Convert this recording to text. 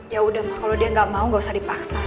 ya udah kalau dia gak mau gak usah dipaksa